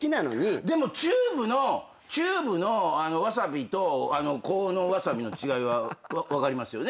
でもチューブのわさびとこうのわさびの違いは分かりますよね？